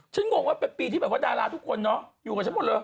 งงว่าเป็นปีที่แบบว่าดาราทุกคนเนาะอยู่กับฉันหมดเลย